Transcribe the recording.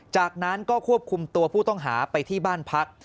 จากนั้นก็ควบคุมตัวผู้ต้องหาไปที่บ้านพัก